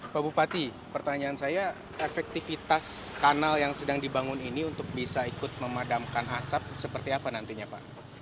pak bupati pertanyaan saya efektivitas kanal yang sedang dibangun ini untuk bisa ikut memadamkan asap seperti apa nantinya pak